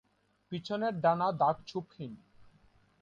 পিছনের ডানা দাগ-ছোপ হীন।